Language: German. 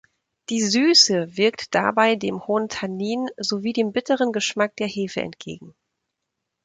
Die Süße wirkt dabei dem hohen Tannin sowie dem bitteren Geschmack der Hefe entgegen.